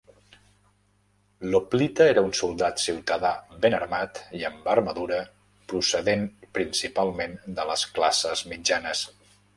L'hoplita era un soldat ciutadà ben armat i amb armadura, procedent principalment de les classes mitjanes.